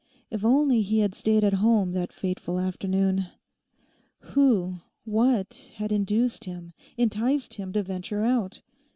If only he had stayed at home that fateful afternoon! Who, what had induced him, enticed him to venture out?